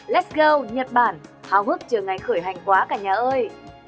let s go nhật bản háo hức chờ ngày khởi hành quá cả nhà ơi